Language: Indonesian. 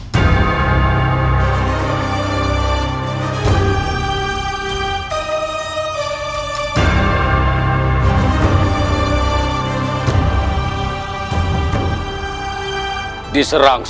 masih sedang kulir